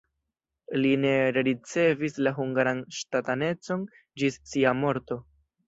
Li ne rericevis la hungaran ŝtatanecon ĝis sia morto.